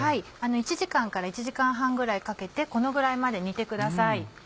１時間から１時間半ぐらいかけてこのぐらいまで煮てください。